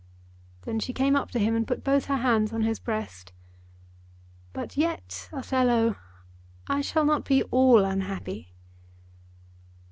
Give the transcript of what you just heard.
Then she came up to him and put both her hands on his breast. "But yet, Othello, I shall not be all unhappy."